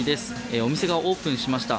お店がオープンしました。